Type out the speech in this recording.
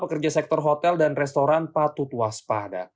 pekerja sektor hotel dan restoran patut waspada